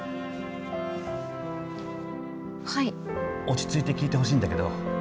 落ち着いて聞いてほしいんだけど。